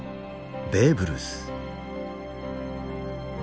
ベーブ・ルース。